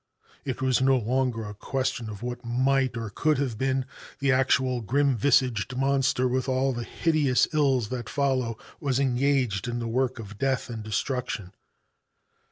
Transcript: It was no longer a question of what might or could have been, the actual grim visaged monster with all of the hideous ills that follow was engaged in the work of death and destruction.